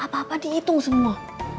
apa apa dihitung semua